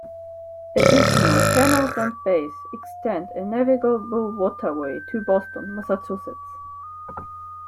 Additional canals and bays extend a navigable waterway to Boston, Massachusetts.